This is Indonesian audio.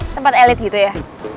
tempat elit gitu ya